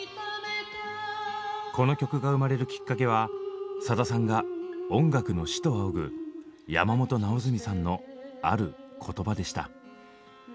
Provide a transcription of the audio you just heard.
この曲が生まれるきっかけはさださんが「音楽の師」と仰ぐ山本直純さんのある言葉でした。